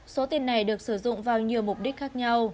số tiền này được sử dụng vào nhiều mục đích khác nhau